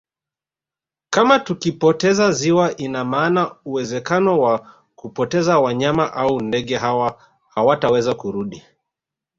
Kama tukipoteza ziwa ina maana uwezekano wa kupoteza wanyama au ndege hawa hawataweza kurudi